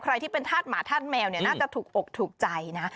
ใครที่เป็นทาสหมาทาสแมวน่าจะถูกออกถูกใจนะ